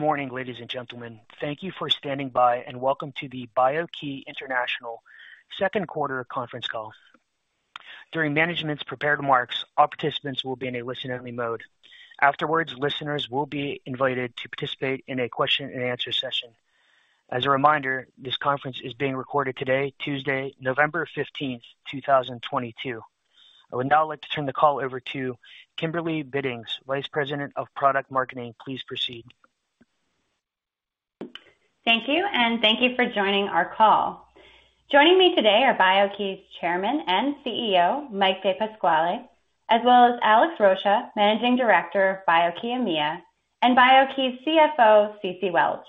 Good morning, ladies and gentlemen. Thank you for standing by and welcome to the BIO-key International Q2 conference call. During management's prepared remarks, all participants will be in a listen-only mode. Afterwards, listeners will be invited to participate in a question-and-answer session. As a reminder, this conference is being recorded today, Tuesday, 15 November 2022. I would now like to turn the call over to Kimberly Biddings, Vice President of Product Marketing. Please proceed. Thank you, and thank you for joining our call. Joining me today are BIO-key's Chairman and CEO, Mike DePasquale, as well as Alex Rocha, Managing Director of BIO-key EMEA, and BIO-key's CFO, Cece Welch.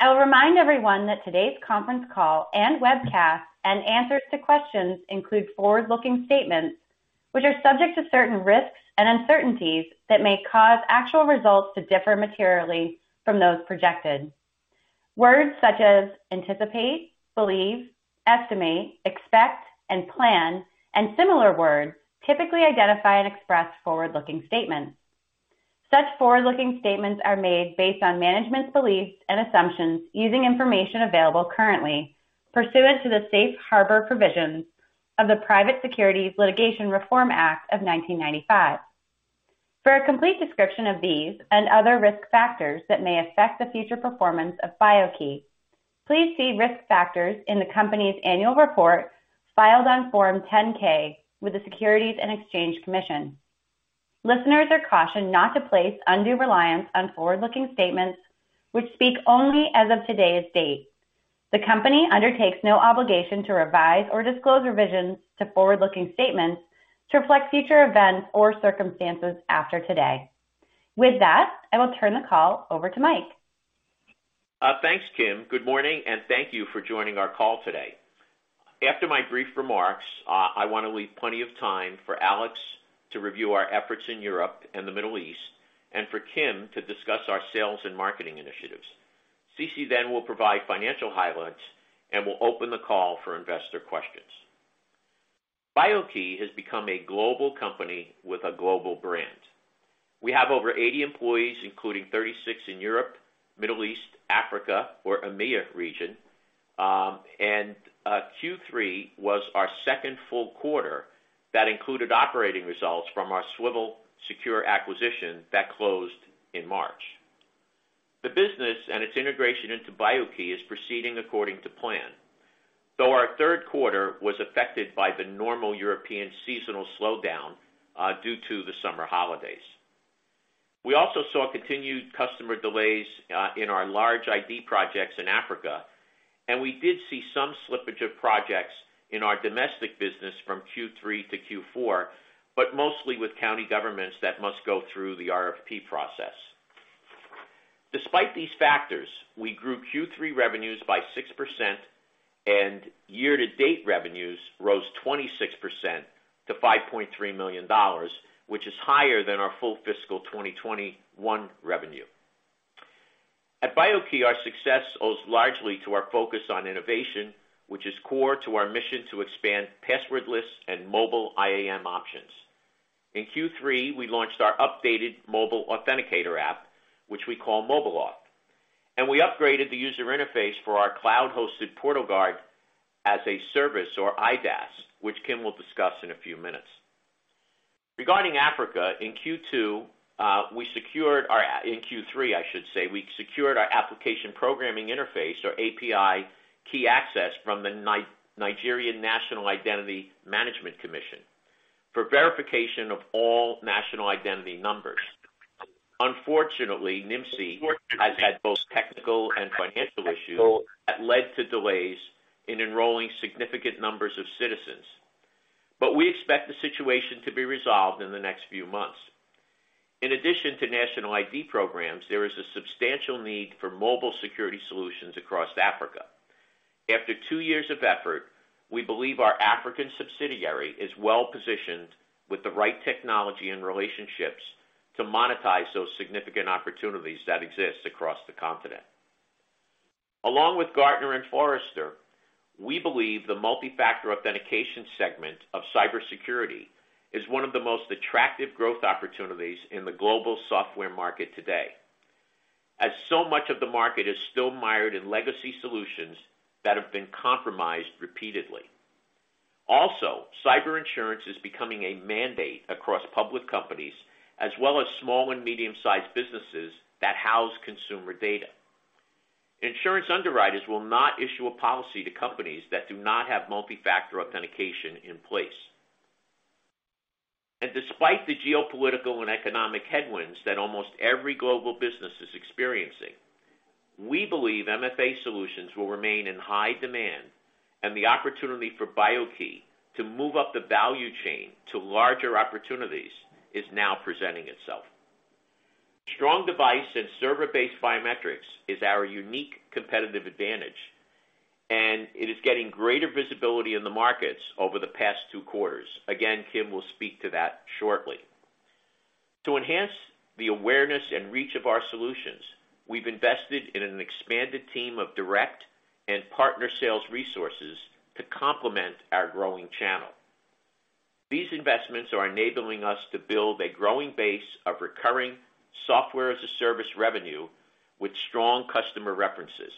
I will remind everyone that today's conference call and webcast and answers to questions include forward-looking statements which are subject to certain risks and uncertainties that may cause actual results to differ materially from those projected. Words such as anticipate, believe, estimate, expect and plan, and similar words typically identify and express forward-looking statements. Such forward-looking statements are made based on management's beliefs and assumptions using information available currently pursuant to the safe harbor provisions of the Private Securities Litigation Reform Act of 1995. For a complete description of these and other risk factors that may affect the future performance of BIO-key, please see risk factors in the company's annual report filed on Form 10-K with the Securities and Exchange Commission. Listeners are cautioned not to place undue reliance on forward-looking statements which speak only as of today's date. The company undertakes no obligation to revise or disclose revisions to forward-looking statements to reflect future events or circumstances after today. With that, I will turn the call over to Mike. Thanks, Kim. Good morning, and thank you for joining our call today. After my brief remarks, I want to leave plenty of time for Alex to review our efforts in Europe and the Middle East, and for Kim to discuss our sales and marketing initiatives. Cece then will provide financial highlights and will open the call for investor questions. BIO-key has become a global company with a global brand. We have over 80 employees, including 36 in Europe, Middle East, Africa or EMEA region. Q3 was our second full quarter that included operating results from our Swivel Secure acquisition that closed in March. The business and its integration into BIO-key is proceeding according to plan, though our Q3 was affected by the normal European seasonal slowdown, due to the summer holidays. We also saw continued customer delays in our large ID projects in Africa, and we did see some slippage of projects in our domestic business from Q3 to Q4, but mostly with county governments that must go through the RFP process. Despite these factors, we grew Q3 revenues by 6% and year-to-date revenues rose 26% to $5.3 million, which is higher than our full fiscal 2021 revenue. At BIO-key, our success owes largely to our focus on innovation, which is core to our mission to expand passwordless and mobile IAM options. In Q3, we launched our updated mobile authenticator app, which we call MobileAuth, and we upgraded the user interface for our cloud-hosted PortalGuard as a service or IDaaS, which Kim will discuss in a few minutes. Regarding Africa, in Q2, in Q3, I should say, we secured our application programming interface or API key access from the Nigerian National Identity Management Commission for verification of all national identity numbers. Unfortunately, NIMC has had both technical and financial issues that led to delays in enrolling significant numbers of citizens. We expect the situation to be resolved in the next few months. In addition to national ID programs, there is a substantial need for mobile security solutions across Africa. After two years of effort, we believe our African subsidiary is well-positioned with the right technology and relationships to monetize those significant opportunities that exist across the continent. Along with Gartner and Forrester, we believe the multi-factor authentication segment of cybersecurity is one of the most attractive growth opportunities in the global software market today, as so much of the market is still mired in legacy solutions that have been compromised repeatedly. Also, cyber insurance is becoming a mandate across public companies as well as small and medium-sized businesses that house consumer data. Insurance underwriters will not issue a policy to companies that do not have multi-factor authentication in place. Despite the geopolitical and economic headwinds that almost every global business is experiencing, we believe MFA solutions will remain in high demand and the opportunity for BIO-key to move up the value chain to larger opportunities is now presenting itself. Strong device and server-based biometrics is our unique competitive advantage, and it is getting greater visibility in the markets over the past two quarters. Again, Kim will speak to that shortly. To enhance the awareness and reach of our solutions, we've invested in an expanded team of direct and partner sales resources to complement our growing channel. These investments are enabling us to build a growing base of recurring software as a service revenue with strong customer references.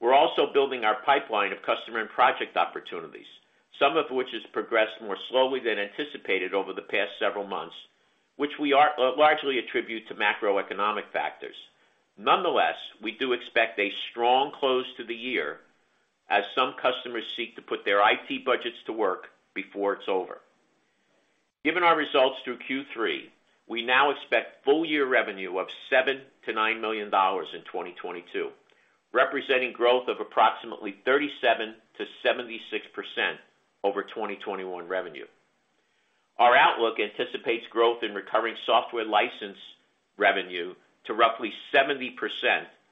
We're also building our pipeline of customer and project opportunities, some of which has progressed more slowly than anticipated over the past several months, which we largely attribute to macroeconomic factors. Nonetheless, we do expect a strong close to the year as some customers seek to put their IT budgets to work before it's over. Given our results through Q3, we now expect full year revenue of $7 million-$9 million in 2022, representing growth of approximately 37%-76% over 2021 revenue. Our outlook anticipates growth in recurring software license revenue to roughly 70%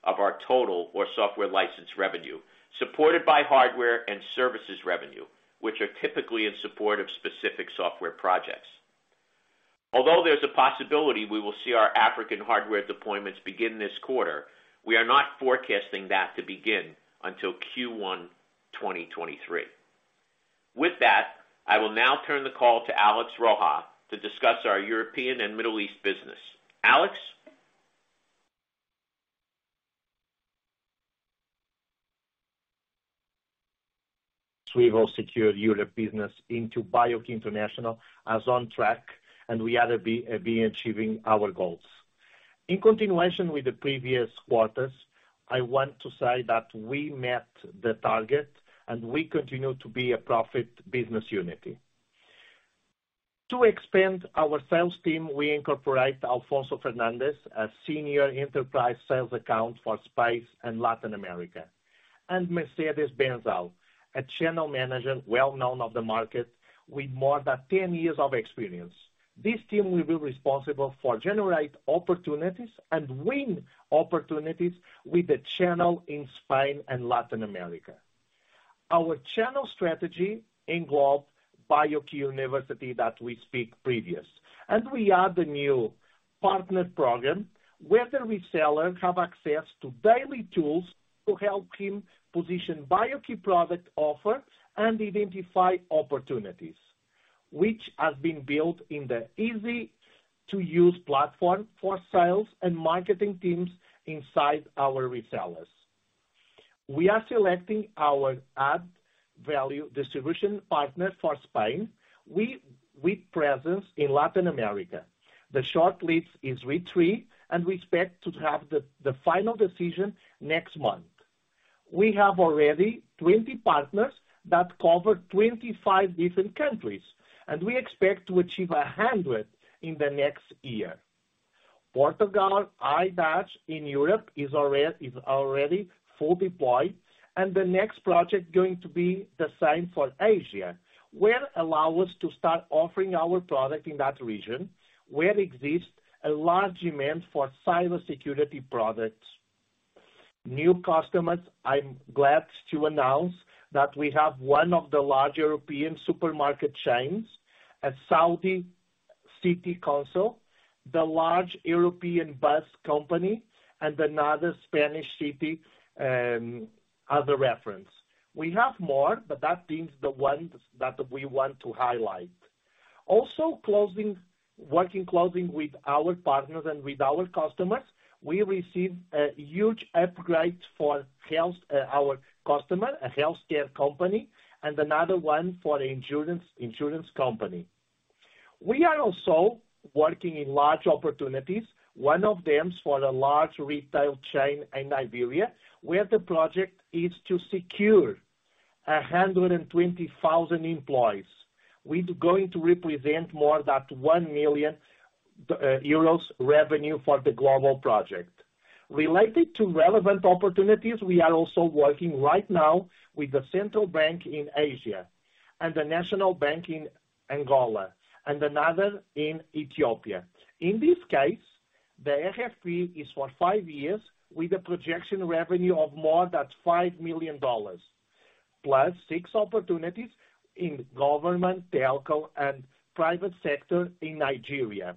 of our total software license revenue, supported by hardware and services revenue, which are typically in support of specific software projects. Although there's a possibility we will see our African hardware deployments begin this quarter, we are not forecasting that to begin until Q1 2023. With that, I will now turn the call to Alex Rocha to discuss our European and Middle East business. Alex? We will say the Europe business in BIO-key International is on track, and we are to be achieving our goals. In continuation with the previous quarters, I want to say that we met the target and we continue to be a profitable business unit. To expand our sales team, we incorporate Alfonso Fernandez, a Senior Enterprise Sales Account for Spain and Latin America, and Mercedes Benzal, a Channel Manager well known in the market with more than 10 years of experience. This team will be responsible for generating opportunities and winning opportunities with the channel in Spain and Latin America. Our channel strategy involved BIO-key University that we spoke previously, and we add a new partner program where the resellers have access to daily tools to help him position BIO-key product offer and identify opportunities, which has been built in the easy-to-use platform for sales and marketing teams inside our resellers. We are selecting our value-added distribution partner for Spain. Our presence in Latin America. The shortlist is with three, and we expect to have the final decision next month. We have already 20 partners that cover 25 different countries, and we expect to achieve 100 in the next year. Portugal IDaaS in Europe is already fully deployed, and the next project going to be the same for Asia, will allow us to start offering our product in that region where exists a large demand for cybersecurity products. New customers, I'm glad to announce that we have one of the large European supermarket chains, a Saudi city council, the large European bus company and another Spanish city as a reference. We have more, but that being the ones that we want to highlight. Working closely with our partners and with our customers, we received a huge upgrade for health our customer, a healthcare company, and another one for insurance company. We are also working in large opportunities. One of them is for a large retail chain in Iberia, where the project is to secure 120,000 employees. Which going to represent more than 1 million euros revenue for the global project. Related to relevant opportunities, we are also working right now with the central bank in Asia and the National Bank in Angola and another in Ethiopia. In this case, the RFP is for five years with a projected revenue of more than $5 million, plus six opportunities in government, telco, and private sector in Nigeria.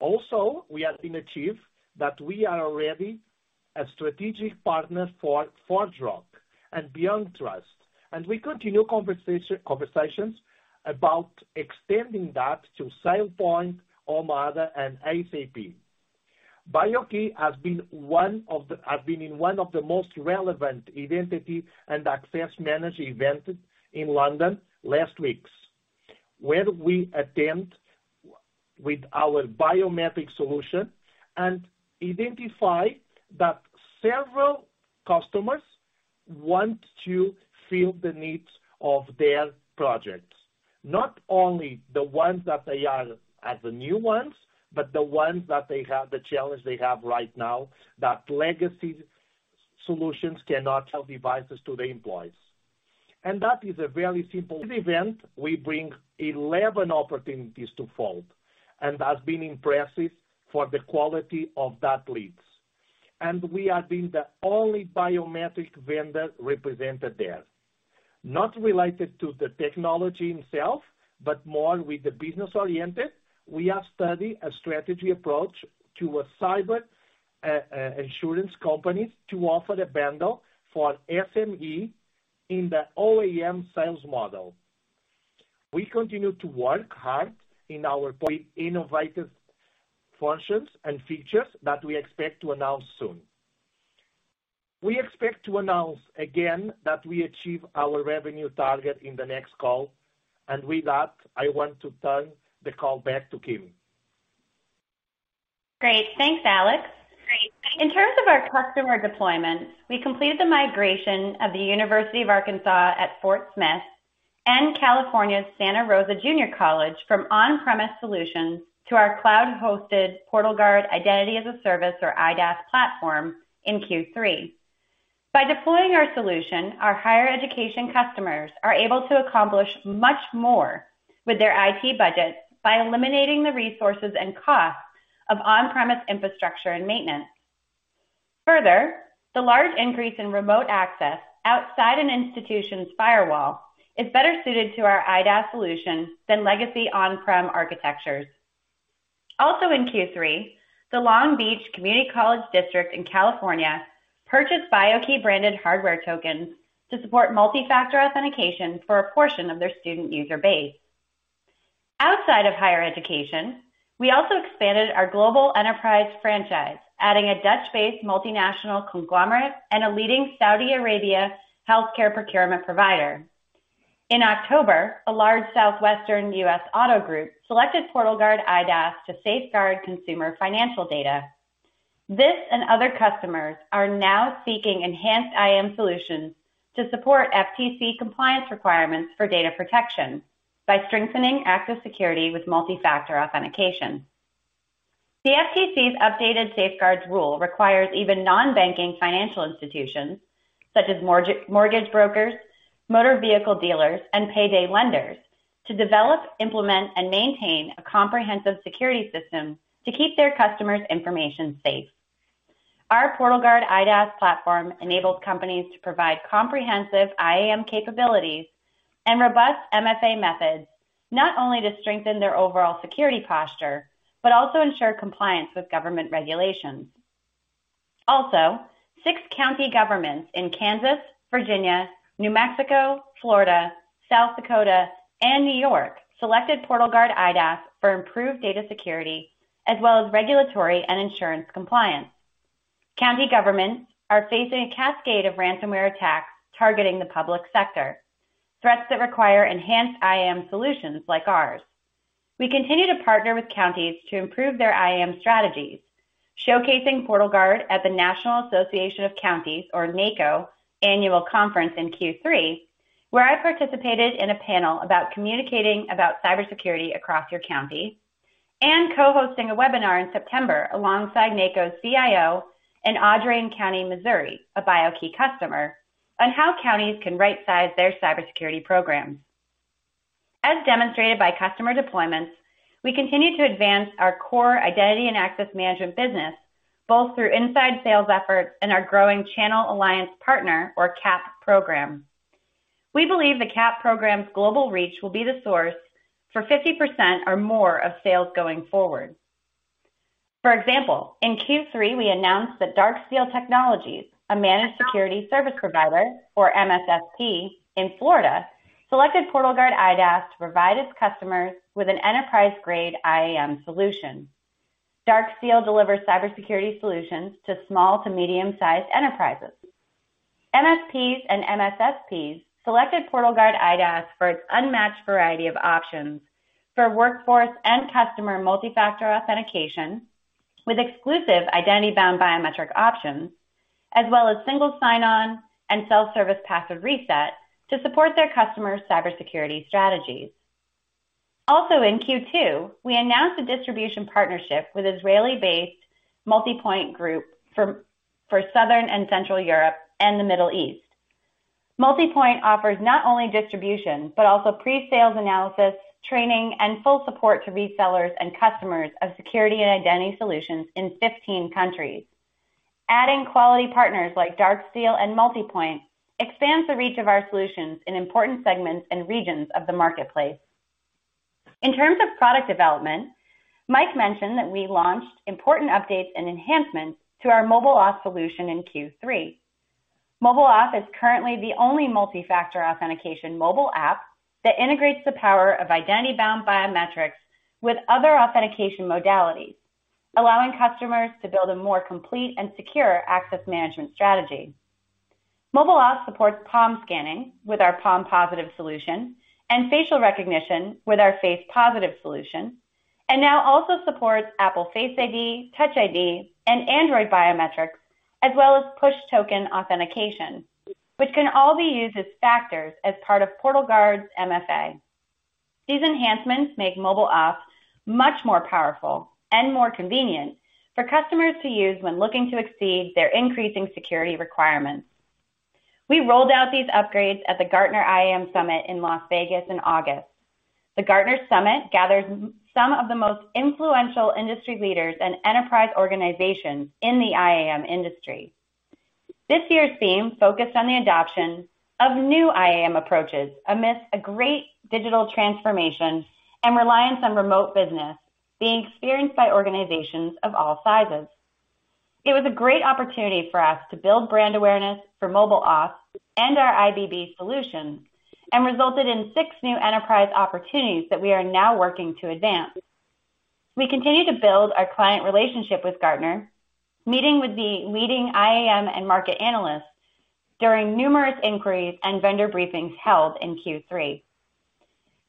Also, we have achieved that we are already a strategic partner for ForgeRock and BeyondTrust, and we continue conversations about extending that to SailPoint, Omada, and SAP. BIO-key have been in one of the most relevant identity and access management event in London last week, where we presented with our biometric solution and identify that several customers want to fill the needs of their projects. Not only the ones that they are as the new ones, but the challenge they have right now that legacy solutions cannot tie devices to the employees. This event we bring 11 opportunities to fold and has been impressive for the quality of that leads. We have been the only biometric vendor represented there. Not related to the technology itself, but more with the business-oriented, we are studying a strategic approach to cyber insurance companies to offer the bundle for SME in the OEM sales model. We continue to work hard in our point innovative functions and features that we expect to announce soon. We expect to announce again that we achieve our revenue target in the next call. With that, I want to turn the call back to Kim. Great. Thanks, Alex. In terms of our customer deployments, we completed the migration of the University of Arkansas at Fort Smith and California's Santa Rosa Junior College from on-premise solutions to our cloud-hosted PortalGuard Identity as a Service or IDaaS platform in Q3. By deploying our solution, our higher education customers are able to accomplish much more with their IT budgets by eliminating the resources and costs of on-premise infrastructure and maintenance. Further, the large increase in remote access outside an institution's firewall is better suited to our IDaaS solution than legacy on-prem architectures. Also in Q3, the Long Beach Community College District in California purchased BIO-key-branded hardware tokens to support multi-factor authentication for a portion of their student user base. Outside of higher education, we also expanded our global enterprise franchise, adding a Dutch-based multinational conglomerate and a leading Saudi Arabia healthcare procurement provider. In October, a large Southwestern US auto group selected PortalGuard IDaaS to safeguard consumer financial data. This and other customers are now seeking enhanced IAM solutions to support FTC compliance requirements for data protection by strengthening access security with multi-factor authentication. The FTC's updated safeguards rule requires even non-banking financial institutions, such as mortgage brokers, motor vehicle dealers, and payday lenders to develop, implement, and maintain a comprehensive security system to keep their customers' information safe. Our PortalGuard IDaaS platform enables companies to provide comprehensive IAM capabilities and robust MFA methods, not only to strengthen their overall security posture, but also ensure compliance with government regulations. Six county governments in Kansas, Virginia, New Mexico, Florida, South Dakota, and New York selected PortalGuard IDaaS for improved data security as well as regulatory and insurance compliance. County governments are facing a cascade of ransomware attacks targeting the public sector, threats that require enhanced IAM solutions like ours. We continue to partner with counties to improve their IAM strategies, showcasing PortalGuard at the National Association of Counties, or NACo, Annual Conference in Q3, where I participated in a panel about communicating about cybersecurity across your county and co-hosting a webinar in September alongside NACo's CIO in Audrain County, Missouri, a BIO-key customer, on how counties can right-size their cybersecurity programs. As demonstrated by customer deployments, we continue to advance our core identity and access management business both through inside sales efforts and our growing channel alliance partner or CAP program. We believe the CAP program's global reach will be the source for 50% or more of sales going forward. For example, in Q3, we announced that Darksteel Technologies, a managed security service provider or MSSP in Florida, selected PortalGuard IDaaS to provide its customers with an enterprise-grade IAM solution. Darksteel delivers cybersecurity solutions to small to medium-sized enterprises. MSPs and MSSPs selected PortalGuard IDaaS for its unmatched variety of options for workforce and customer multi-factor authentication with exclusive identity-bound biometric options, as well as single sign-on and self-service password reset to support their customers' cybersecurity strategies. Also in Q2, we announced a distribution partnership with Israeli-based Multipoint Group for Southern and Central Europe and the Middle East. Multipoint offers not only distribution but also pre-sales analysis, training, and full support to resellers and customers of security and identity solutions in 15 countries. Adding quality partners like Darksteel Technologies and Multipoint Group expands the reach of our solutions in important segments and regions of the marketplace. In terms of product development, Mike mentioned that we launched important updates and enhancements to our MobileAuth solution in Q3. MobileAuth is currently the only multi-factor authentication mobile app that integrates the power of identity-bound biometrics with other authentication modalities, allowing customers to build a more complete and secure access management strategy. MobileAuth supports palm scanning with our PalmPositive solution and facial recognition with our FacePositive solution, and now also supports Apple Face ID, Touch ID, and Android biometrics, as well as push token authentication, which can all be used as factors as part of PortalGuard's MFA. These enhancements make MobileAuth much more powerful and more convenient for customers to use when looking to exceed their increasing security requirements. We rolled out these upgrades at the Gartner IAM Summit in Las Vegas in August. The Gartner Summit gathers some of the most influential industry leaders and enterprise organizations in the IAM industry. This year's theme focused on the adoption of new IAM approaches amidst a great digital transformation and reliance on remote business being experienced by organizations of all sizes. It was a great opportunity for us to build brand awareness for MobileAuth and our IBB solutions, and resulted in six new enterprise opportunities that we are now working to advance. We continue to build our client relationship with Gartner, meeting with the leading IAM and market analysts during numerous inquiries and vendor briefings held in Q3.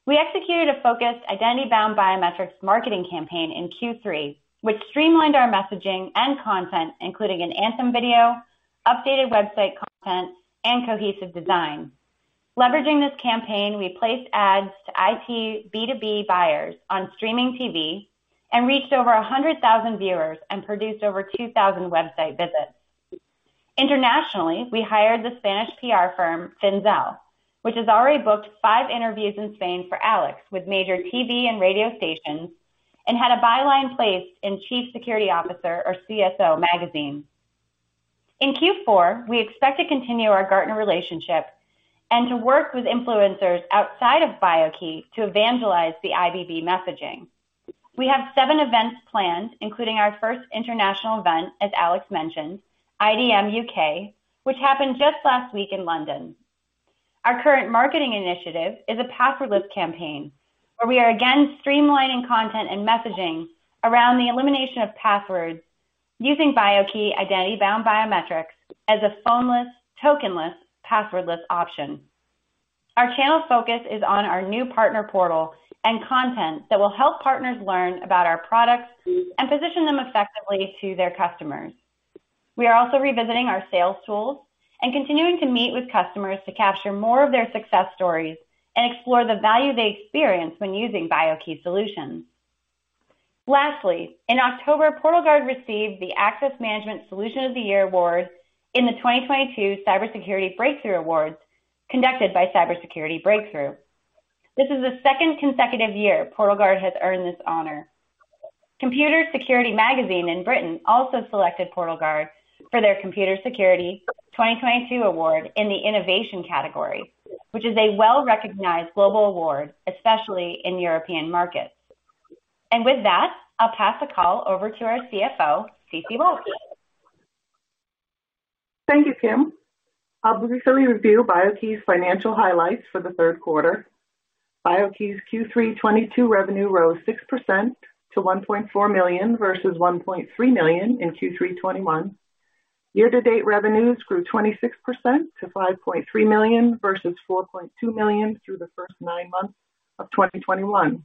We executed a focused identity-bound biometrics marketing campaign in Q3, which streamlined our messaging and content, including an anthem video, updated website content, and cohesive design. Leveraging this campaign, we placed ads to IT B2B buyers on streaming TV and reached over 100,000 viewers and produced over 2,000 website visits. Internationally, we hired the Spanish PR firm, Finzel, which has already booked five interviews in Spain for Alex with major TV and radio stations, and had a byline placed in CSO Magazine. In Q4, we expect to continue our Gartner relationship and to work with influencers outside of BIO-key to evangelize the IBB messaging. We have seven events planned, including our first international event, as Alex mentioned, IDM UK, which happened just last week in London. Our current marketing initiative is a passwordless campaign, where we are again streamlining content and messaging around the elimination of passwords using BIO-key identity-bound biometrics as a phoneless, tokenless, passwordless option. Our channel focus is on our new partner portal and content that will help partners learn about our products and position them effectively to their customers. We are also revisiting our sales tools and continuing to meet with customers to capture more of their success stories and explore the value they experience when using BIO-key solutions. Lastly, in October, PortalGuard received the Access Management Solution of the Year award in the 2022 CyberSecurity Breakthrough Awards conducted by CyberSecurity Breakthrough. This is the second consecutive year PortalGuard has earned this honor. Computing Security in Britain also selected PortalGuard for their Computing Security 2022 award in the innovation category, which is a well-recognized global award, especially in European markets. With that, I'll pass the call over to our CFO, Cece Welch. Thank you, Kim. I'll briefly review BIO-key's financial highlights for the Q3. BIO-key's Q3 2022 revenue rose 6% to $1.4 million versus $1.3 million in Q3 2021. Year-to-date revenues grew 26% to $5.3 million versus $4.2 million through the first nine months of 2021.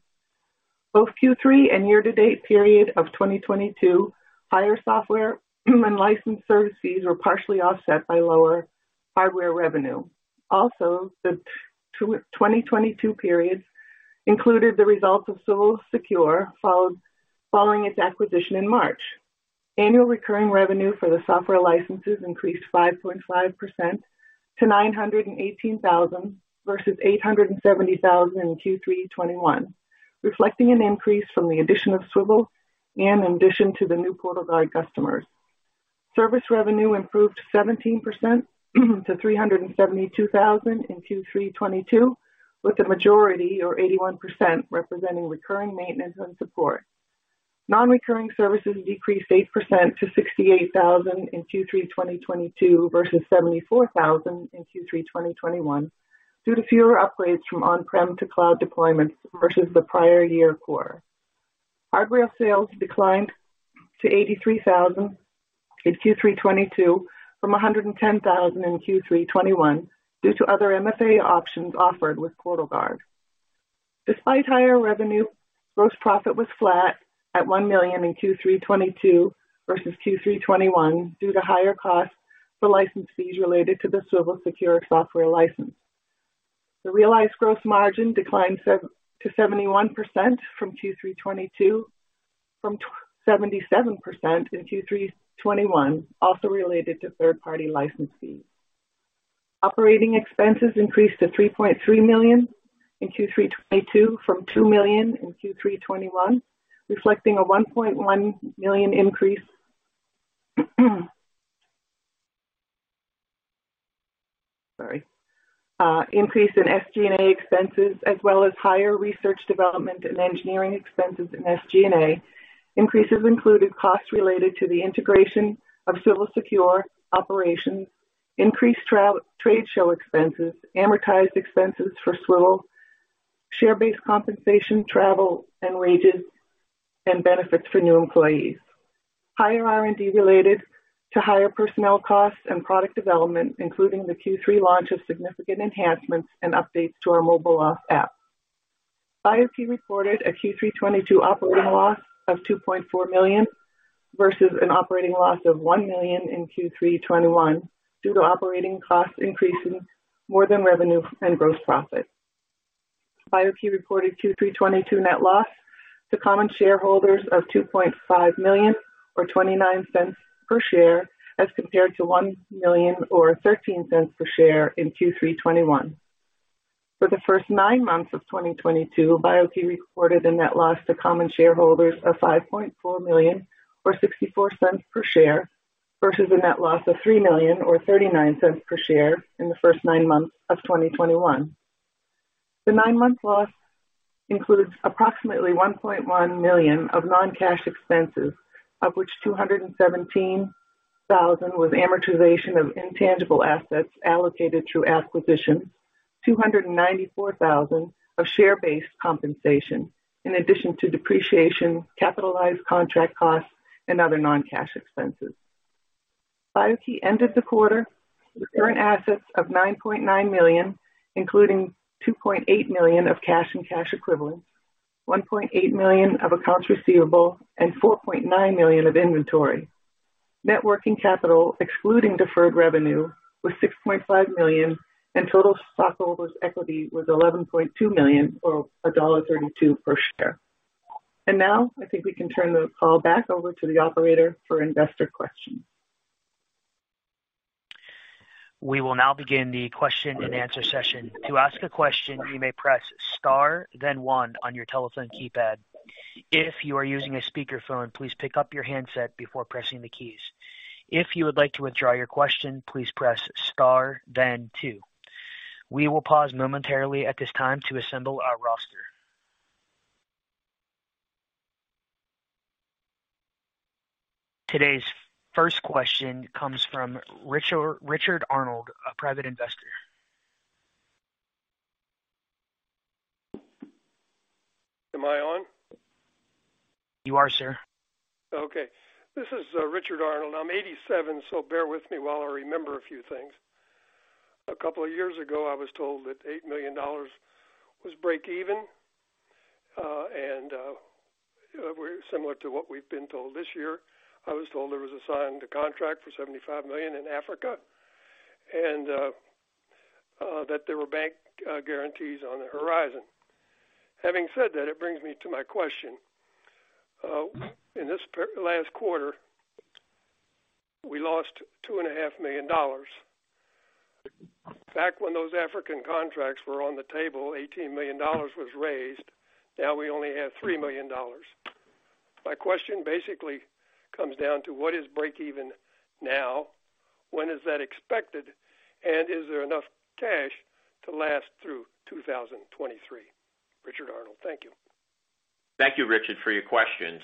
Both Q3 and year-to-date period of 2022, higher software and license services were partially offset by lower hardware revenue. Also, the 2022 periods included the results of Swivel Secure following its acquisition in March. Annual recurring revenue for the software licenses increased 5.5% to $918,000 versus $870,000 in Q3 2021, reflecting an increase from the addition of Swivel and in addition to the new PortalGuard customers. Service revenue improved 17% to $372,000 in Q3 2022, with the majority or 81% representing recurring maintenance and support. Non-recurring services decreased 8% to $68,000 in Q3 2022 versus $74,000 in Q3 2021 due to fewer upgrades from on-prem to cloud deployments versus the prior year quarter. Hardware sales declined to $83,000 in Q3 2022 from $110,000 in Q3 2021 due to other MFA options offered with PortalGuard. Despite higher revenue, gross profit was flat at $1 million in Q3 2022 versus Q3 2021 due to higher costs for license fees related to the Swivel Secure software license. The realized gross margin declined to 71% in Q3 2022 from 77% in Q3 2021, also related to third-party license fees. Operating expenses increased to $3.3 million in Q3 2022 from $2 million in Q3 2021, reflecting a $1.1 million increase in SG&A expenses as well as higher research development and engineering expenses in SG&A. Increases included costs related to the integration of Swivel Secure operations, increased trade show expenses, amortized expenses for Swivel, share-based compensation, travel, and wages and benefits for new employees. Higher R&D related to higher personnel costs and product development, including the Q3 launch of significant enhancements and updates to our MobileAuth app. BIO-key reported a Q3 2022 operating loss of $2.4 million versus an operating loss of $1 million in Q3 2021 due to operating cost increases more than revenue and gross profit. BIO-key reported Q3 2022 net loss to common shareholders of $2.5 million or $0.29 per share as compared to $1 million or $0.13 per share in Q3 2021. For the first nine months of 2022, BIO-key reported a net loss to common shareholders of $5.4 million, or $0.64 per share, versus a net loss of $3 million or $0.39 per share in the first nine months of 2021. The nine-month loss includes approximately $1.1 million of non-cash expenses, of which $217,000 was amortization of intangible assets allocated through acquisitions. $294,000 of share-based compensation in addition to depreciation, capitalized contract costs, and other non-cash expenses. BIO-key ended the quarter with current assets of $9.9 million, including $2.8 million of cash and cash equivalents, $1.8 million of accounts receivable, and $4.9 million of inventory. Net working capital, excluding deferred revenue, was $6.5 million, and total stockholders' equity was $11.2 million or $1.32 per share. Now I think we can turn the call back over to the operator for investor questions. We will now begin the question and answer session. To ask a question, you may press star then one on your telephone keypad. If you are using a speakerphone, please pick up your handset before pressing the keys. If you would like to withdraw your question, please press star then two. We will pause momentarily at this time to assemble our roster. Today's first question comes from Richard Arnold, a private investor. Am I on? You are, sir. This is Richard Arnold. I'm 87, so bear with me while I remember a few things. A couple of years ago, I was told that $8 million was break even, and similar to what we've been told this year. I was told there was a signed contract for $75 million in Africa, and that there were bank guarantees on the horizon. Having said that, it brings me to my question. In this last quarter, we lost $2.5 million. Back when those African contracts were on the table, $18 million was raised. Now we only have $3 million. My question basically comes down to what is break even now? When is that expected? And is there enough cash to last through 2023? Richard Arnold. Thank you. Thank you, Richard, for your questions.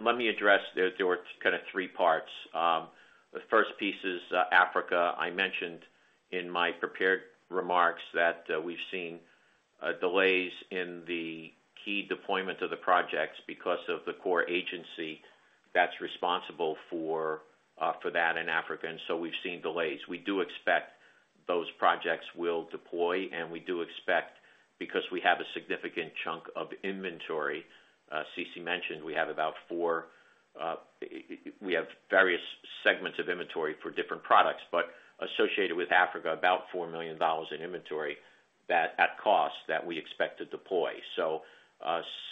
Let me address. There were kinda three parts. The first piece is Africa. I mentioned in my prepared remarks that we've seen delays in the key deployment of the projects because of the core agency that's responsible for that in Africa, and we've seen delays. We do expect those projects will deploy, and we do expect because we have a significant chunk of inventory. Cece mentioned we have various segments of inventory for different products, but associated with Africa, about $4 million in inventory that at cost that we expect to deploy.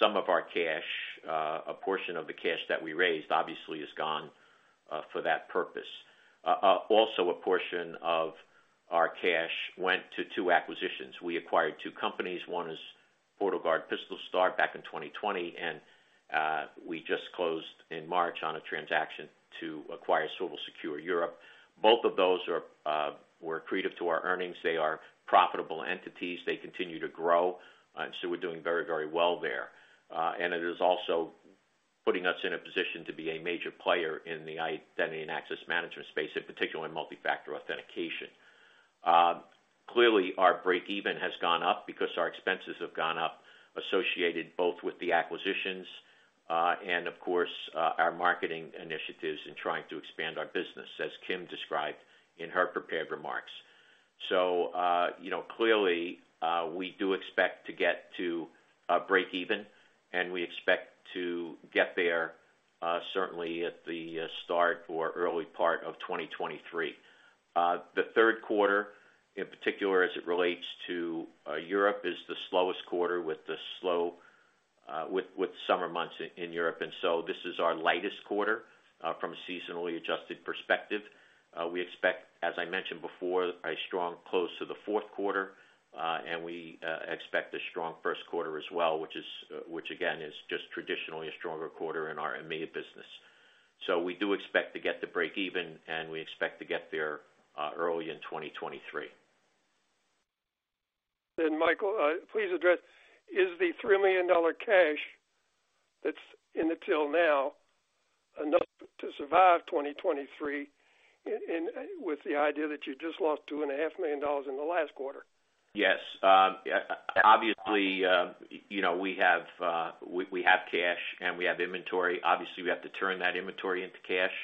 Some of our cash, a portion of the cash that we raised obviously is gone, for that purpose. Also, a portion of our cash went to two acquisitions. We acquired two companies. One is PortalGuard PistolStar back in 2020, and we just closed in March on a transaction to acquire Swivel Secure Europe. Both of those were accretive to our earnings. They are profitable entities. They continue to grow. We're doing very, very well there. It is also putting us in a position to be a major player in the identity and access management space, in particular in multi-factor authentication. Clearly, our breakeven has gone up because our expenses have gone up associated both with the acquisitions and of course our marketing initiatives in trying to expand our business, as Kim described in her prepared remarks. You know, clearly, we do expect to get to break even, and we expect to get there certainly at the start or early part of 2023. The Q3, in particular as it relates to Europe, is the slowest quarter with summer months in Europe. This is our lightest quarter from a seasonally adjusted perspective. We expect, as I mentioned before, a strong close to the Q4, and we expect a strong Q1 as well, which again is just traditionally a stronger quarter in our EMEA business. We do expect to get to break even, and we expect to get there early in 2023. Michael, please address, is the $3 million cash that's in the till now enough to survive 2023 in, with the idea that you just lost $2.5 million in the last quarter? Yes. Obviously, you know, we have cash and we have inventory. Obviously, we have to turn that inventory into cash,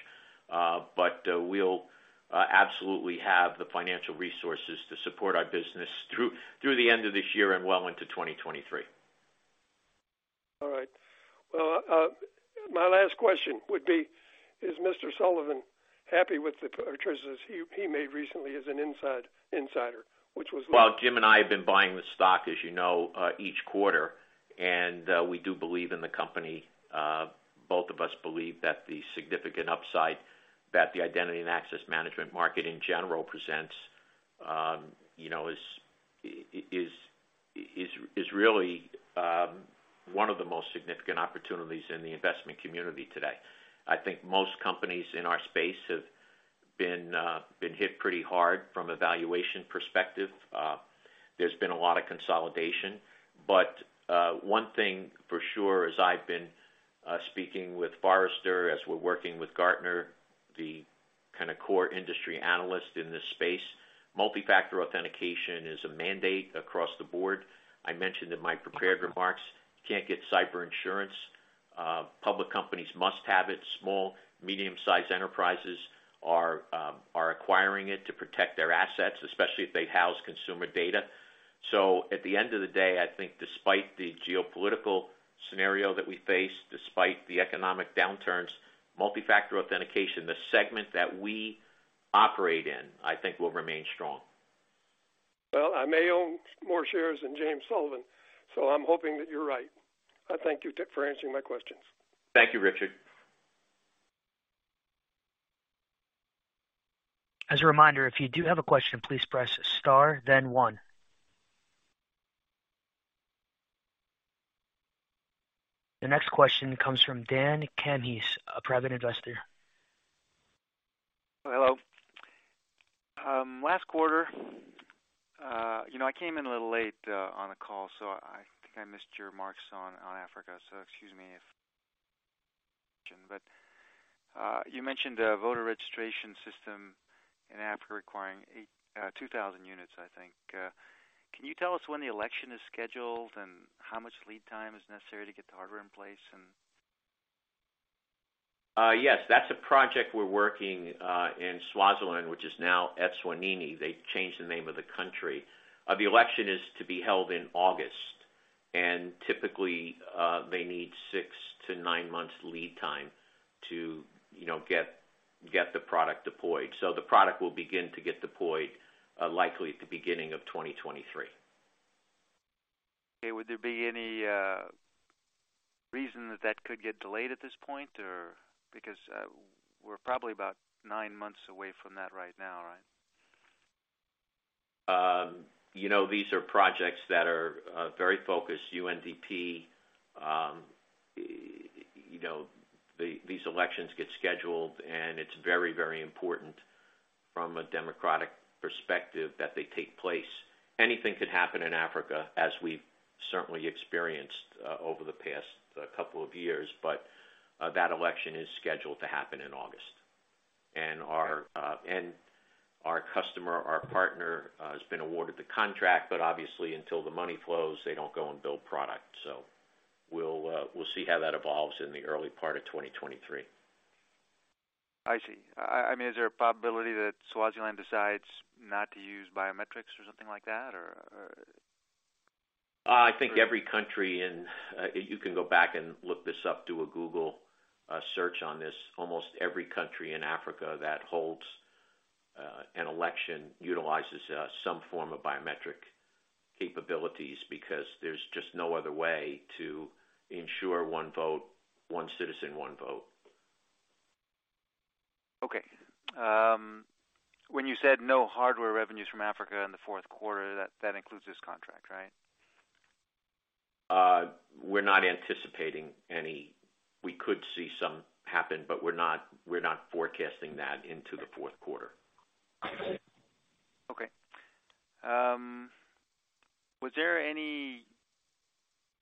but we'll absolutely have the financial resources to support our business through the end of this year and well into 2023. All right. Well, my last question would be, is Mr. Sullivan happy with the purchases he made recently as an insider? Well, Jim and I have been buying the stock, as you know, each quarter, and we do believe in the company. Both of us believe that the significant upside that the identity and access management market in general presents, you know, is really one of the most significant opportunities in the investment community today. I think most companies in our space have been hit pretty hard from a valuation perspective. There's been a lot of consolidation, but one thing for sure, as I've been speaking with Forrester, as we're working with Gartner, the kind of core industry analysts in this space, multi-factor authentication is a mandate across the board. I mentioned in my prepared remarks, you can't get cyber insurance. Public companies must have it. Small, medium-sized enterprises are acquiring it to protect their assets, especially if they house consumer data. At the end of the day, I think despite the geopolitical scenario that we face, despite the economic downturns, multi-factor authentication, the segment that we operate in, I think will remain strong. Well, I may own more shares than James Sullivan, so I'm hoping that you're right. I thank you for answering my questions. Thank you, Richard. As a reminder, if you do have a question, please press star then one. The next question comes from Dan Cahney, a private investor. Hello. Last quarter, you know, I came in a little late on the call, so I think I missed your remarks on Africa, so excuse me if you mentioned a voter registration system in Africa requiring 2,000 units, I think. Can you tell us when the election is scheduled and how much lead time is necessary to get the hardware in place? Yes. That's a project we're working in Swaziland, which is now Eswatini. They changed the name of the country. The election is to be held in August, and typically, they need six to nine months lead time to, you know, get the product deployed. The product will begin to get deployed likely at the beginning of 2023. Okay. Would there be any reason that that could get delayed at this point? Because we're probably about nine months away from that right now, right? You know, these are projects that are very focused. UNDP, you know, these elections get scheduled, and it's very, very important from a democratic perspective that they take place. Anything could happen in Africa, as we've certainly experienced over the past couple of years. That election is scheduled to happen in August. Our customer, our partner, has been awarded the contract, but obviously, until the money flows, they don't go and build product. We'll see how that evolves in the early part of 2023. I see. I mean, is there a possibility that Swaziland decides not to use biometrics or something like that? I think you can go back and look this up, do a Google search on this. Almost every country in Africa that holds an election utilizes some form of biometric capabilities because there's just no other way to ensure one vote, one citizen, one vote. Okay. When you said no hardware revenues from Africa in the Q4, that includes this contract, right? We're not anticipating any. We could see some happen, but we're not forecasting that into the Q4. Okay.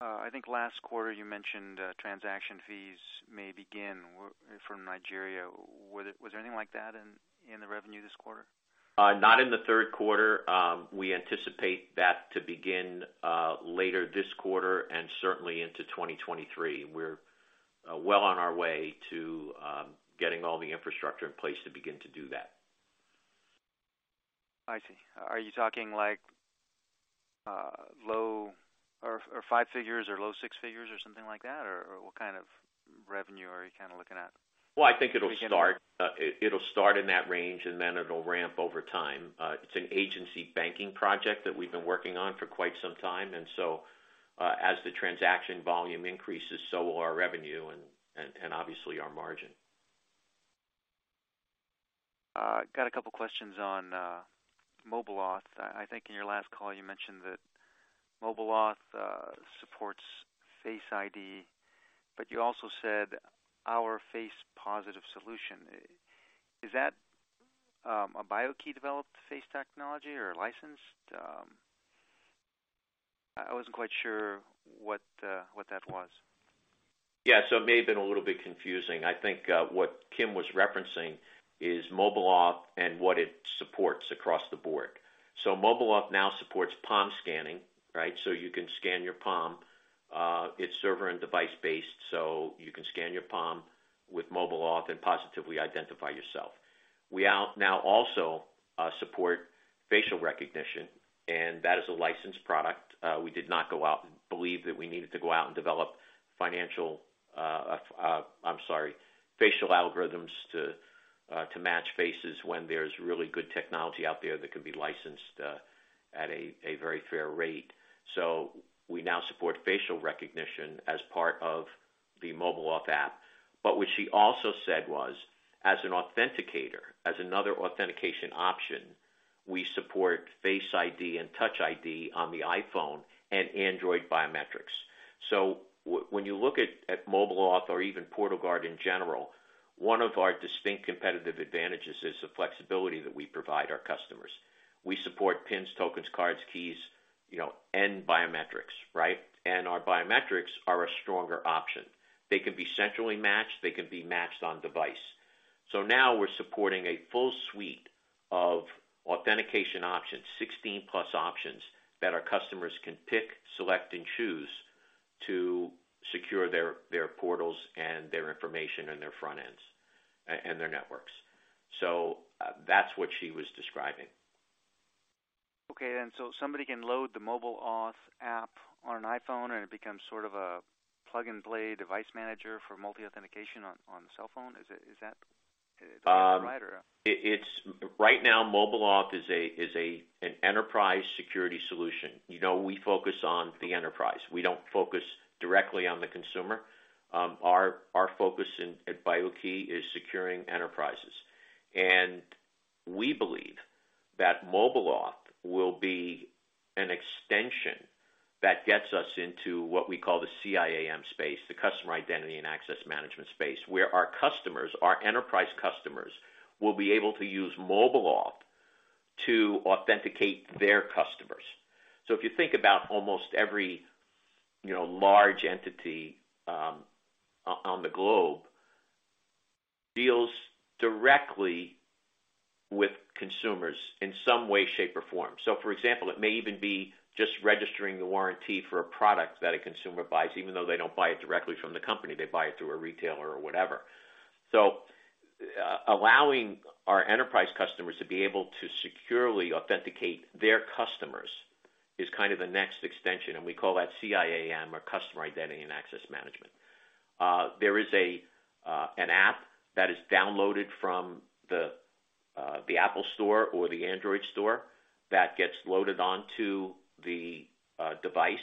I think last quarter you mentioned transaction fees may begin from Nigeria. Was there anything like that in the revenue this quarter? Not in the Q3. We anticipate that to begin later this quarter and certainly into 2023. We're well on our way to getting all the infrastructure in place to begin to do that. I see. Are you talking like, low or five figures or low six figures or something like that? What kind of revenue are you kinda looking at? Well, I think it'll start in that range, and then it'll ramp over time. It's an agency banking project that we've been working on for quite some time, and so, as the transaction volume increases, so will our revenue and obviously our margin. Got a couple questions on MobileAuth. I think in your last call you mentioned that MobileAuth supports Face ID, but you also said our FacePositive solution. Is that a BIO-key developed face technology or licensed? I wasn't quite sure what that was. Yeah. It may have been a little bit confusing. I think, what Kim was referencing is MobileAuth and what it supports across the board. MobileAuth now supports palm scanning, right? You can scan your palm. It's server and device-based, so you can scan your palm with MobileAuth and positively identify yourself. We now also support facial recognition, and that is a licensed product. We did not believe that we needed to go out and develop facial algorithms to match faces when there's really good technology out there that can be licensed at a very fair rate. We now support facial recognition as part of the MobileAuth app. What she also said was, as an authenticator, as another authentication option, we support Face ID and Touch ID on the iPhone and Android biometrics. When you look at MobileAuth or even PortalGuard in general, one of our distinct competitive advantages is the flexibility that we provide our customers. We support PINs, tokens, cards, keys, you know, and biometrics, right? Our biometrics are a stronger option. They can be centrally matched, they can be matched on device. Now we're supporting a full suite of authentication options, 16+ options that our customers can pick, select, and choose to secure their portals and their information and their front ends and their networks. That's what she was describing. Okay. Somebody can load the MobileAuth app on an iPhone and it becomes sort of a plug-and-play device manager for multi authentication on the cell phone. Is that right or? Right now, MobileAuth is an enterprise security solution. You know, we focus on the enterprise. We don't focus directly on the consumer. Our focus at BIO-key is securing enterprises. We believe that MobileAuth will be an extension that gets us into what we call the CIAM space, the customer identity and access management space, where our customers, our enterprise customers, will be able to use MobileAuth to authenticate their customers. If you think about almost every, you know, large entity on the globe deals directly with consumers in some way, shape, or form. For example, it may even be just registering the warranty for a product that a consumer buys, even though they don't buy it directly from the company, they buy it through a retailer or whatever. Allowing our enterprise customers to be able to securely authenticate their customers is kind of the next extension, and we call that CIAM or customer identity and access management. There is an app that is downloaded from the App Store or the Android store that gets loaded onto the device,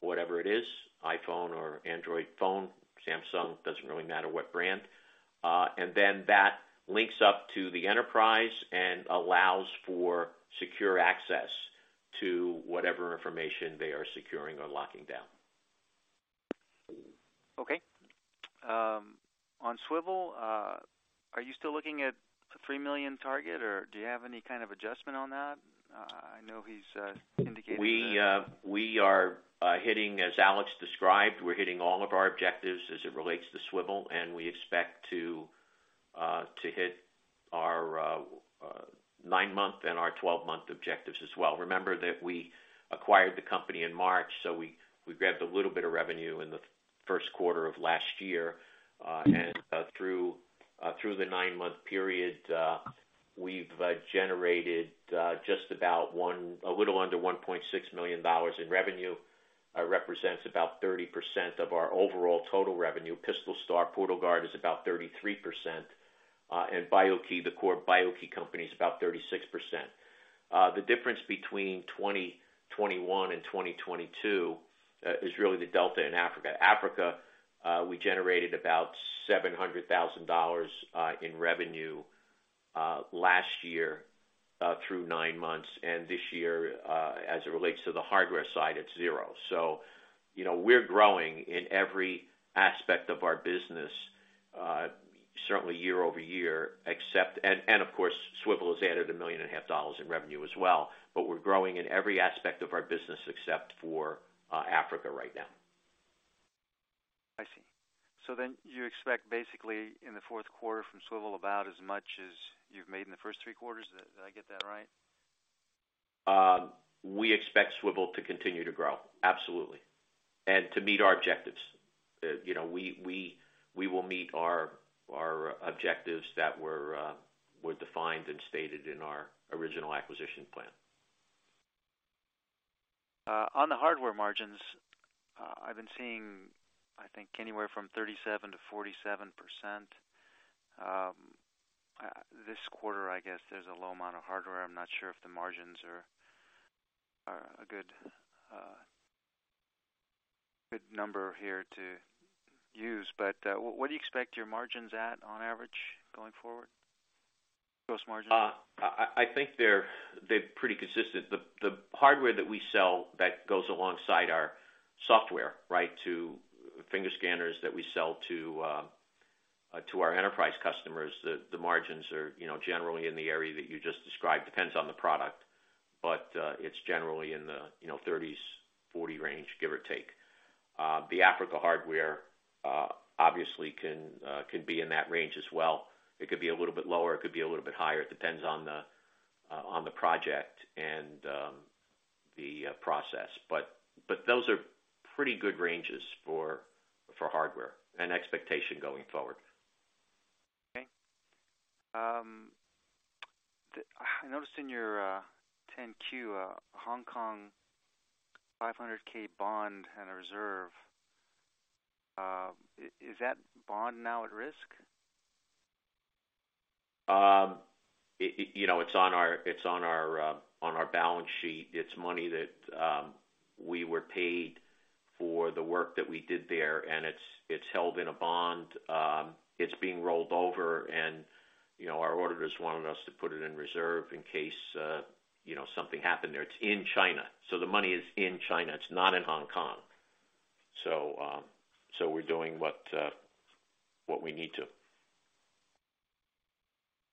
whatever it is, iPhone or Android phone, Samsung. Doesn't really matter what brand. Then that links up to the enterprise and allows for secure access to whatever information they are securing or locking down. Okay. On Swivel Secure, are you still looking at a $3 million target, or do you have any kind of adjustment on that? I know he's indicated that We're hitting all of our objectives as it relates to Swivel, and we expect to hit our nine-month and 12-month objectives as well. Remember that we acquired the company in March, so we grabbed a little bit of revenue in the Q1 of last year. Through the nine-month period, we've generated just about a little under $1.6 million in revenue, represents about 30% of our overall total revenue. PistolStar, PortalGuard is about 33%. BIO-key, the core BIO-key company, is about 36%. The difference between 2021 and 2022 is really the delta in Africa. Africa, we generated about $700,000 in revenue last year through nine months. This year, as it relates to the hardware side, it's zero. You know, we're growing in every aspect of our business, certainly year-over-year, except. Of course, Swivel has added $1.5 million in revenue as well. We're growing in every aspect of our business except for Africa right now. I see. You expect basically in the Q4 from Swivel about as much as you've made in the first three quarters. Did I get that right? We expect Swivel to continue to grow, absolutely, and to meet our objectives. You know, we will meet our objectives that were defined and stated in our original acquisition plan. On the hardware margins, I've been seeing, I think, anywhere from 37%-47%. This quarter, I guess, there's a low amount of hardware. I'm not sure if the margins are a good number here to use. What do you expect your margins at on average going forward? Gross margins. I think they're pretty consistent. The hardware that we sell that goes alongside our software, right, to finger scanners that we sell to our enterprise customers, the margins are, you know, generally in the area that you just described. Depends on the product, but it's generally in the 30%-40% range, give or take. The African hardware obviously can be in that range as well. It could be a little bit lower, it could be a little bit higher. It depends on the project and the process. Those are pretty good ranges for hardware and expectation going forward. I noticed in your 10-Q, Hong Kong $500,000 bond and a reserve. Is that bond now at risk? You know, it's on our balance sheet. It's money that we were paid for the work that we did there, and it's held in a bond. It's being rolled over and, you know, our auditors wanted us to put it in reserve in case, you know, something happened there. It's in China. The money is in China. It's not in Hong Kong. We're doing what we need to.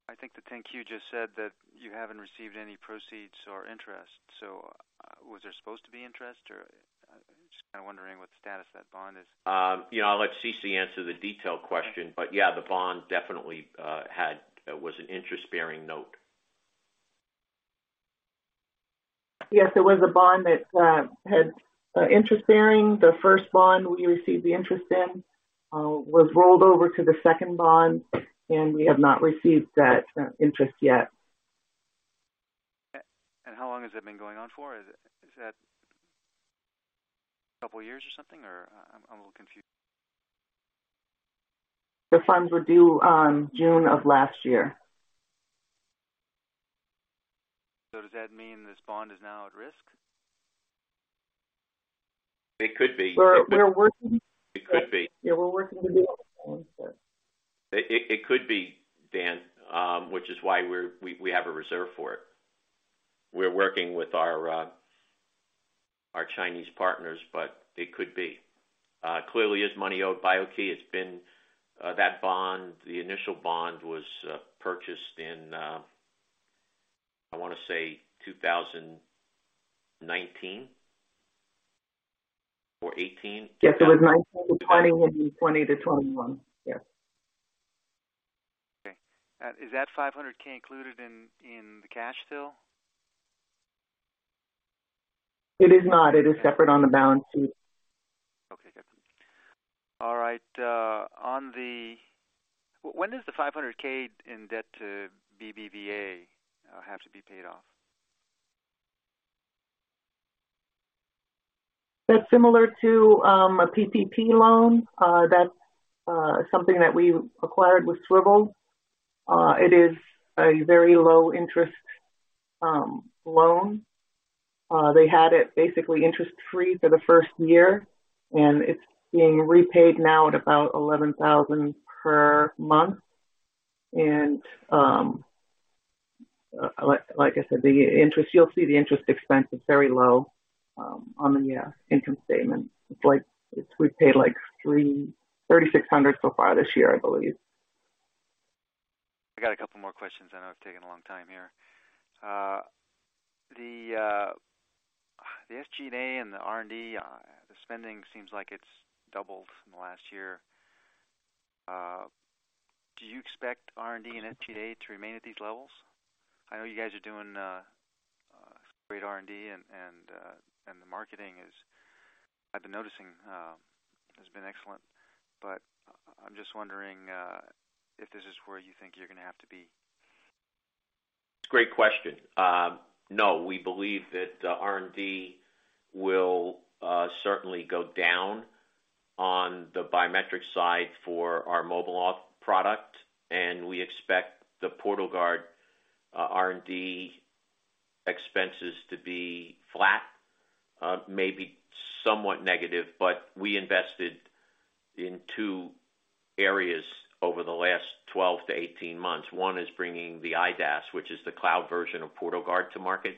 I think the 10-Q just said that you haven't received any proceeds or interest. Was there supposed to be interest? I'm just kind of wondering what the status of that bond is. You know, I'll let Cece answer the detailed question. Yeah, the bond definitely was an interest-bearing note. Yes, it was a bond that had interest-bearing. The first bond we received the interest in was rolled over to the second bond, and we have not received that interest yet. How long has it been going on for? Is that a couple of years or something? I'm a little confused. The funds were due on June of last year. Does that mean this bond is now at risk? It could be. We're working. It could be. Yeah, we're working with the other ones, but. It could be, Dan, which is why we have a reserve for it. We're working with our Chinese partners, but it could be. Clearly, it's money owed BIO-key. It's been that bond, the initial bond was purchased in, I wanna say 2019 or 2018. Yes, it was 2019. 2020 would be 2020 to 2021. Yeah. Okay. Is that $500,000 included in the cash still? It is not. It is separate on the balance sheet. Okay, got it. All right. When does the $500,000 in debt to BBVA have to be paid off? That's similar to a PPP loan. That's something that we acquired with Swivel. It is a very low interest loan. They had it basically interest free for the first year, and it's being repaid now at about $11,000 per month. Like I said, the interest, you'll see the interest expense. It's very low on the income statement. It's like we've paid, like $3,600 so far this year, I believe. I got a couple more questions. I know I've taken a long time here. The SG&A and the R&D, the spending seems like it's doubled from the last year. Do you expect R&D and SG&A to remain at these levels? I know you guys are doing great R&D and the marketing is. I've been noticing has been excellent. I'm just wondering if this is where you think you're gonna have to be. It's a great question. No, we believe that the R&D will certainly go down on the biometric side for our MobileAuth product, and we expect the PortalGuard R&D expenses to be flat, maybe somewhat negative. We invested in two areas over the last 12-18 months. One is bringing the IDaaS, which is the cloud version of PortalGuard to market.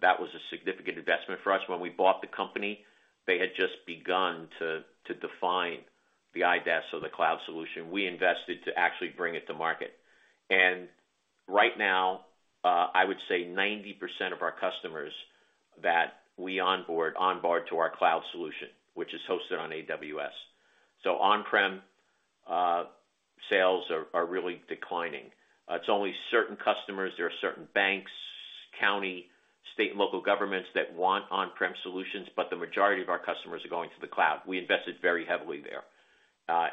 That was a significant investment for us. When we bought the company, they had just begun to define the IDaaS or the cloud solution. We invested to actually bring it to market. Right now, I would say 90% of our customers that we onboard to our cloud solution, which is hosted on AWS. On-prem sales are really declining. It's only certain customers. There are certain banks, county, state, and local governments that want on-prem solutions, but the majority of our customers are going to the cloud. We invested very heavily there,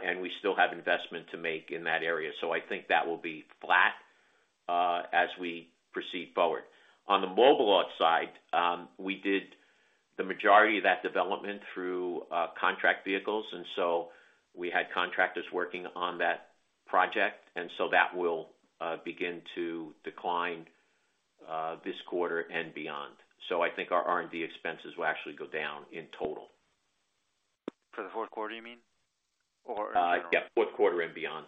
and we still have investment to make in that area. I think that will be flat, as we proceed forward. On the MobileAuth side, we did the majority of that development through contract vehicles, and so we had contractors working on that project, and so that will begin to decline this quarter and beyond. I think our R&D expenses will actually go down in total. For the Q4, you mean, or in general? Yeah, Q4 and beyond.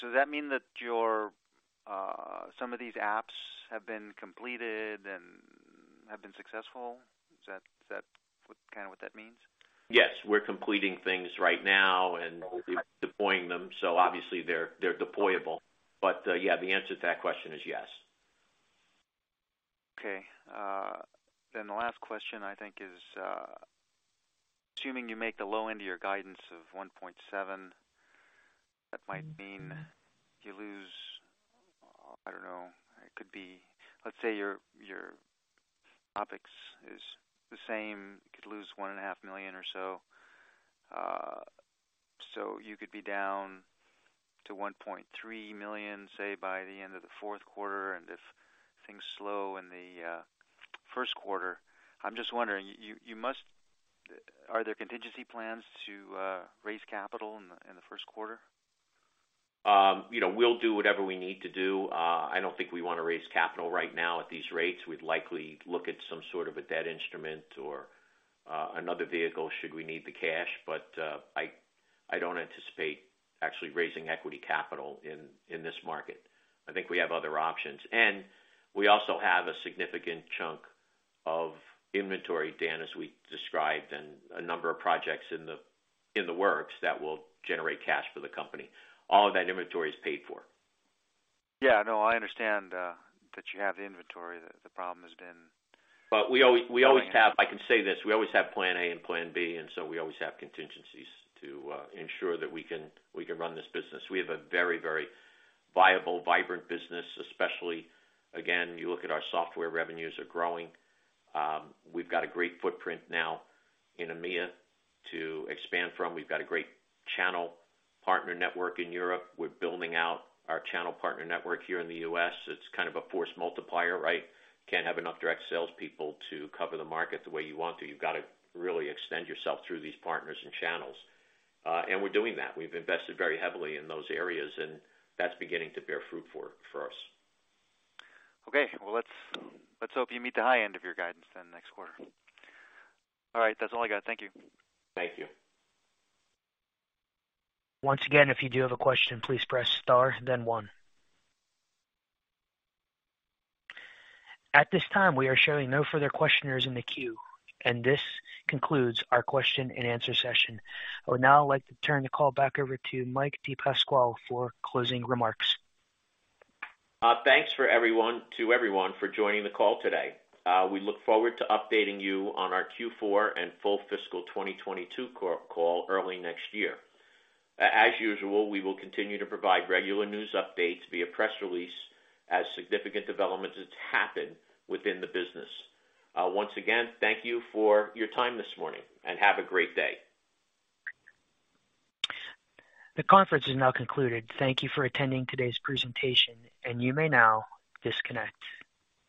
Does that mean that your some of these apps have been completed and have been successful? Is that kind of what that means? Yes. We're completing things right now and deploying them. Obviously they're deployable. Yeah, the answer to that question is yes. Okay. The last question I think is, assuming you make the low end of your guidance of $1.7 million, that might mean you lose. Let's say your OpEx is the same. You could lose $1.5 million or so. You could be down to $1.3 million, say by the end of the Q4, and if things slow in the Q1. I'm just wondering, are there contingency plans to raise capital in the Q1? You know, we'll do whatever we need to do. I don't think we wanna raise capital right now at these rates. We'd likely look at some sort of a debt instrument or another vehicle should we need the cash. But I don't anticipate actually raising equity capital in this market. I think we have other options. We also have a significant chunk of inventory, Dan, as we described, and a number of projects in the works that will generate cash for the company. All of that inventory is paid for. Yeah, no, I understand that you have the inventory. The problem has been- We always have plan A and plan B, and we always have contingencies to ensure that we can run this business. We have a very viable, vibrant business, especially again, you look at our software revenues are growing. We've got a great footprint now in EMEA to expand from. We've got a great channel partner network in Europe. We're building out our channel partner network here in the U.S. It's kind of a force multiplier, right? Can't have enough direct sales people to cover the market the way you want to. You've got to really extend yourself through these partners and channels. We're doing that. We've invested very heavily in those areas, and that's beginning to bear fruit for us. Okay. Well, let's hope you meet the high end of your guidance then next quarter. All right, that's all I got. Thank you. Thank you. Once again, if you do have a question, please press star then one. At this time, we are showing no further questioners in the queue, and this concludes our question-and-answer session. I would now like to turn the call back over to Mike DePasquale for closing remarks. Thanks to everyone for joining the call today. We look forward to updating you on our Q4 and full fiscal 2022 call early next year. As usual, we will continue to provide regular news updates via press release as significant developments happen within the business. Once again, thank you for your time this morning, and have a great day. The conference is now concluded. Thank you for attending today's presentation, and you may now disconnect.